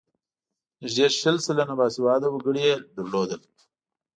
نږدې شل سلنه باسواده وګړي یې لرل.